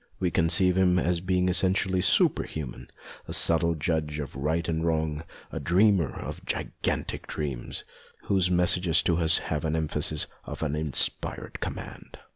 We conceive him as a being essentially super human, a subtle judge of right and wrong, a dreamer of gigantic dreams, whose messages to us have the emphasis of an inspired command.